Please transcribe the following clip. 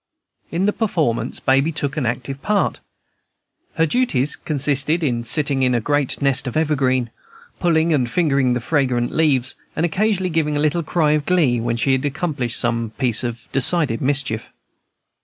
In the performance Baby took an active part. Her duties consisted in sitting in a great nest of evergreen, pulling and fingering the fragrant leaves, and occasionally giving a little cry of glee when she had accomplished some piece of decided mischief.